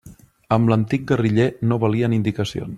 Amb l'antic guerriller no valien indicacions.